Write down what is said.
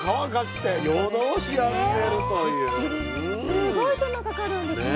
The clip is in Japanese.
すごい手間かかるんですね。